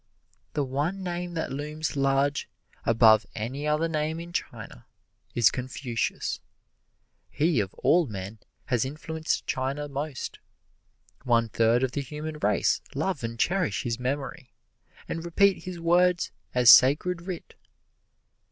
The one name that looms large above any other name in China is Confucius. He of all men has influenced China most. One third of the human race love and cherish his memory, and repeat his words as sacred writ.